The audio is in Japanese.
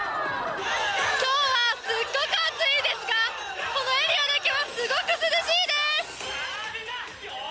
きょうはすっごく暑いですが、このエリアだけはすごく涼しいです。